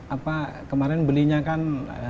apa kemarin belinya kan